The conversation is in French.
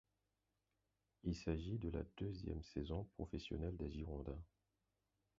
Il s’agit de la deuxième saison professionnelle des Girondins.